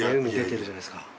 海出てるじゃないですか。